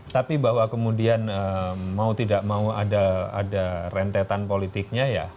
tapi bahwa kemudian mau tidak mau ada rentetan politiknya ya